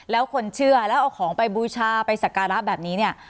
แล้วคนเชื่อแล้วเอาของไปบูชาไปสักการะแบบนี้เนี่ย